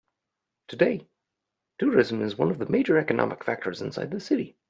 Today, tourism is one of the major economic factors inside the city.